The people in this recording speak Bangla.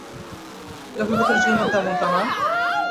লেখকদের জন্য তেমনটা না?